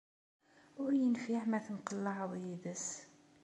Ur yenfiε ma temqellaεeḍ yid-s.